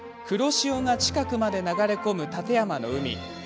黒潮が近くまで流れ込む館山の海。